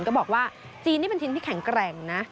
ก็บอกว่าจีนนี่เป็นทีมที่แข็งแกร่งนะ